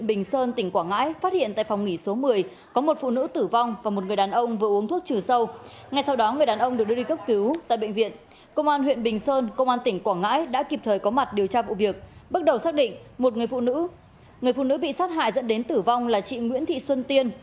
bước đầu xác định một người phụ nữ bị sát hại dẫn đến tử vong là chị nguyễn thị xuân tiên